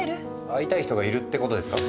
会いたい人がいるってことですか？